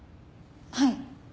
はい。